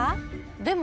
でも。